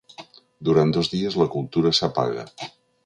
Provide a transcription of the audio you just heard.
Durant dos dies la cultura s’apaga.